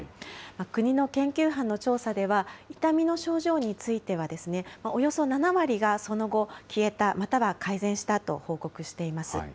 国の研究班の調査では、痛みの症状については、およそ７割がその後消えた、または改善したと報告しています。